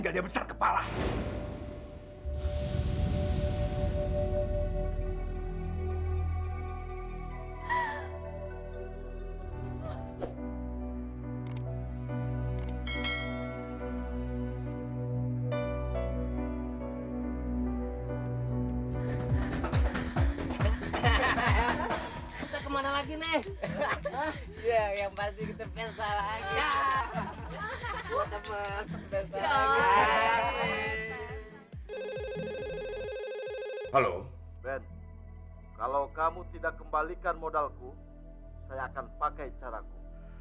halo ben kalau kamu tidak kembalikan modalku saya akan pakai caraku